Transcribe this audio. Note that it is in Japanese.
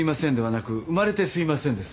「生まれてすみません」です。